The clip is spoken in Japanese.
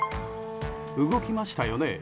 動きましたよね。